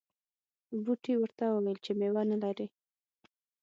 بوټي ورته وویل چې میوه نه لرې.